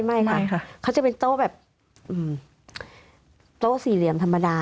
ไม่ค่ะเขาจะเป็นโต๊ะแบบโต๊ะสี่เหลี่ยมธรรมดา